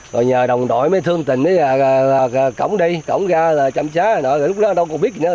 rồi nhờ đồng đội mới thương tình mới cống đi cống ra chăm chá lúc đó đâu còn biết gì nữa